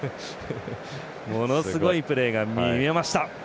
ものすごいプレーが見れました。